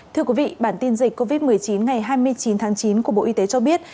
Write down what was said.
thưa quý vị bản tin dịch covid một mươi chín ngày hai mươi chín tháng chín của bộ y tế cho biết